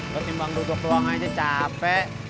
lo timbang duduk doang aja capek